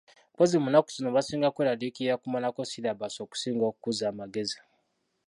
Mpozzi mu nnaku zino basinga kweraliikirira kumalako sirabaasi okusinga okukuza amagezi.